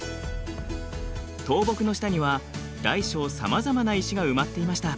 倒木の下には大小さまざまな石が埋まっていました。